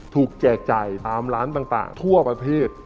ถูกแจกใจตามร้านต่างทั่วประเภท